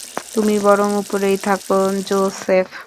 তুমি বরং উপরেই থাকো, জোসেফ।